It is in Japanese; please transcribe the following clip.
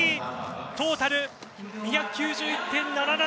トータル２９１．７７。